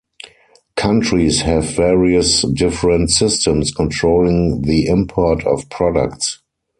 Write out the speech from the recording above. Countries have various different systems controlling the import of products.